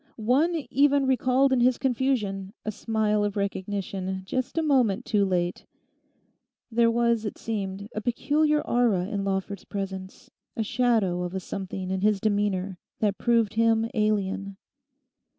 One even recalled in his confusion a smile of recognition just a moment too late. There was, it seemed, a peculiar aura in Lawford's presence, a shadow of a something in his demeanour that proved him alien.